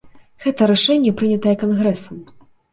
Гэта рашэнне прынятае кангрэсам.